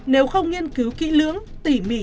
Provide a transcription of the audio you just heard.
nếu không nghiên cứu kỹ lưỡng tỉ mỉ như vậy